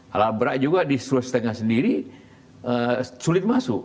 alat berat juga di sulawesi tengah sendiri sulit masuk